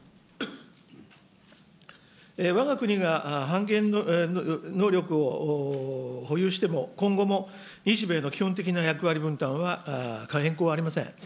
わが国が反撃能力を保有しても、今後も日米の基本的な役割分担は変更ありません。